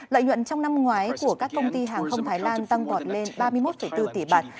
lợi nhuận trong năm ngoái của các công ty hàng không thái lan tăng vọt lên ba mươi một bốn tỷ bạt